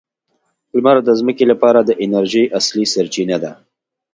لمر د ځمکې لپاره د انرژۍ اصلي سرچینه ده.